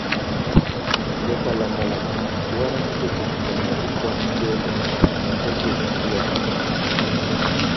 Jotelo mbalariany dwaro ni jotich ong'e ni kwan kwelo osemedore dweche ariyo mosekalo. "